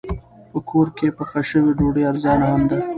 په کور کې پخه شوې ډوډۍ ارزانه هم ده.